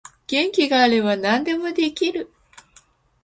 元気があれば何でもできる